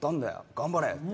頑張れ！って。